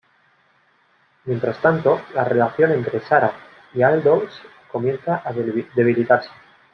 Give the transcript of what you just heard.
Mientras tanto, la relación entre Sarah y Aldous comienza a debilitarse.